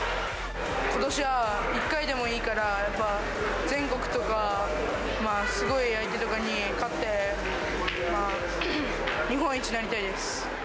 ことしは１回でもいいから、やっぱ全国とか、まあすごい相手とかに勝って、日本一になりたいです。